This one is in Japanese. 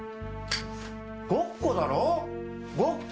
ごっこだろごっこ！